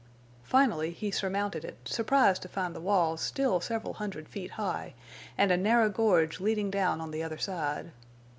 Finally he surmounted it, surprised to find the walls still several hundred feet high, and a narrow gorge leading down on the other side.